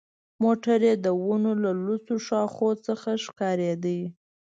موټر یې د ونو له لوڅو ښاخونو څخه ښکارېده.